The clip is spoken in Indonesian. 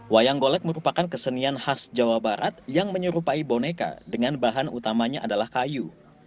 wayang golek merupakan kesenian khas jawa barat yang menyerupai boneka dengan bahan utamanya adalah kayu